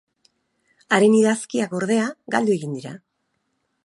Haren idazkiak, ordea, galdu egin dira.